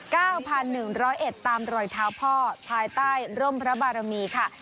พันหนึ่งร้อยเอ็ดตามรอยเท้าพ่อภายใต้ร่มพระบารมีค่ะ